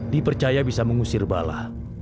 dipercaya bisa mengusir bala